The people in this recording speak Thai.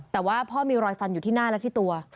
แต่ว่าพ่อมีรอยฟันอยู่ที่หน้าและที่ตัว